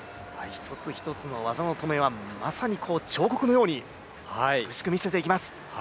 一つ一つの技の止めはまさに彫刻のように美しく見せていきます。